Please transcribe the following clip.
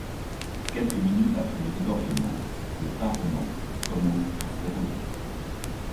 Quelques minutes après le débordement, le parement commence à s’éroder.